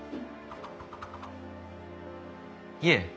いえ。